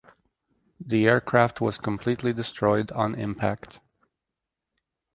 The aircraft was completely destroyed on impact.